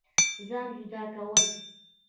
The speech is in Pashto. ځان جدا كول